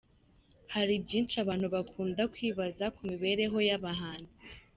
Hari byinshi abantu bakunda kwibaza ku mibereho y’abahanzi.